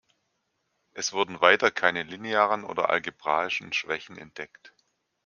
Es wurden weiter keine linearen oder algebraischen Schwächen entdeckt.